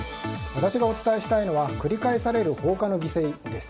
私がお伝えしたいのは繰り返される放火の犠牲です。